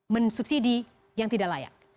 men subsidi yang tidak layak